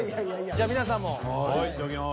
じゃ皆さんも。はいいただきます。